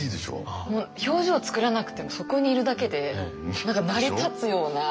もう表情作らなくてもそこにいるだけで何か成り立つような。